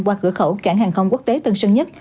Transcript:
qua cửa khẩu cảng hàng không quốc tế tân sơn nhất